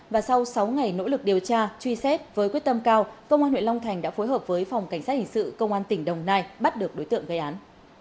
và sau sáu ngày nỗ lực điều tra truy xét với quyết tâm cao công an huyện long thành đã phối hợp với phòng cảnh sát hình sự công an tỉnh đồng nai bắt được đối tượng gây án